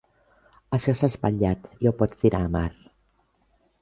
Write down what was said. Això s'ha espatllat: ja ho pots tirar a mar!